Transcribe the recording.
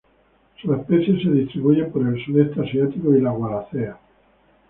Sus especies se distribuyen por el Sudeste Asiático y la Wallacea.